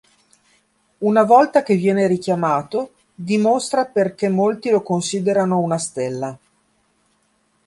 Una volta che viene richiamato, dimostra perché molti lo considerano una stella.